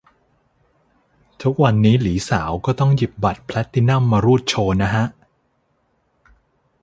ทุกวันนี้หลีสาวก็ต้องหยิบบัตรแพลตตินั่มมารูดโชว์นะฮะ